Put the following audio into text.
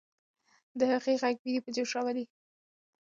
د هغې ږغ ويني په جوش راوړلې.